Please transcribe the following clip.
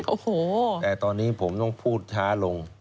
โอ้โหแต่ตอนนี้ผมต้องพูดช้าลง